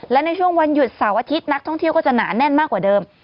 และในช่วงวันหยุดเสาร์อาทิตย์นักท่องเที่ยวก็จะหนาแน่นมากกว่าเดิม